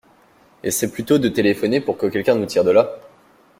Essaie plutôt de téléphoner pour que quelqu’un nous tire de là!